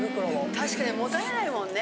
確かにもたれないもんね。